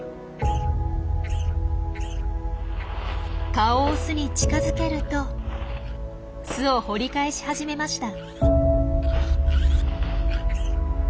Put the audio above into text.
顔を巣に近づけると巣を掘り返し始めました。